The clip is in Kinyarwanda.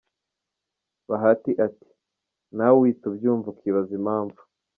Bahati ati “Nawe uhita ubyumva ukibaza impamvu.